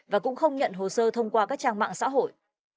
và cũng không nhận hồ sơ thông qua các trang mạng xã hội